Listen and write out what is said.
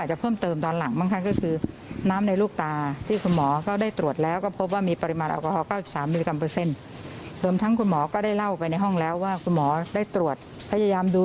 จะต่าง๑๐นาทีแล้วอีกครั้งไม่เคยทราบ